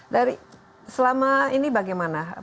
dari selama ini bagaimana